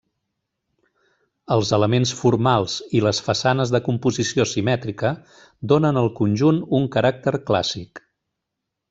Els elements formals i les façanes de composició simètrica donen el conjunt un caràcter clàssic.